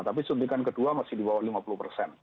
tapi suntikan kedua masih di bawah lima puluh persen